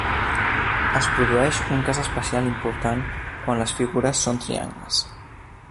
Es produeix un cas especial important quan les figures són triangles.